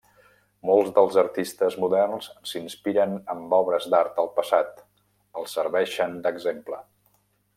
Molts dels artistes moderns s'inspiren amb obres d'art del passat, els serveixen d'exemple.